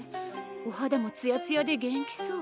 お肌もツヤツヤで元気そう。